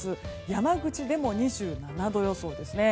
山口でも２７度予想ですね。